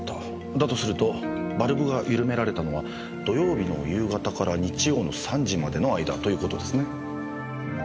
だとするとバルブが緩められたのは土曜日の夕方から日曜の３時までの間ということですね。